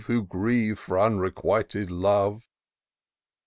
Who grieve for unrequited love."